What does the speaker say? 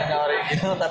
tapi nggak takut takut